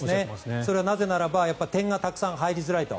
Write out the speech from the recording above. それはなぜならば点がたくさん入りづらいと。